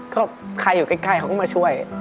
ก็ใครอยู่ใกล้เขาก็มาช่วย